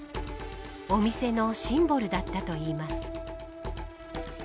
お店のシンボルだったといいます。